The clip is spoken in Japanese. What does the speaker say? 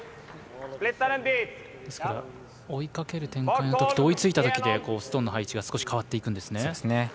ですから追いかける展開のときと追いついたときでストーンの配置が少し変わっていくんですね。